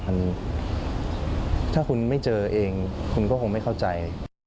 มันถ้าคุณไม่เจอเองคุณก็คงไม่เข้าใจ